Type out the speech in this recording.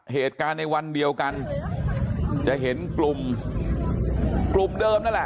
เหตุการณ์ในวันเดียวกันจะเห็นกลุ่มกลุ่มเดิมนั่นแหละ